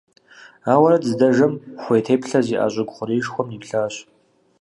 Ауэрэ дыздэжэм, хуей теплъэ зиIэ щIыгу хъуреишхуэм дилъэдащ.